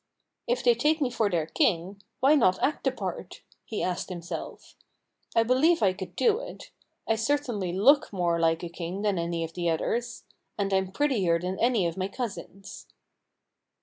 "If they take me for their king, why not act the part?" he asked himself. "I believe I could do it. I certainly look more like a king than any of the others. And I'm prettier than any of my cousins."